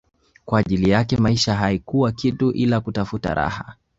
kwa ajili yake maisha haikuwa kitu ila kutafuta raha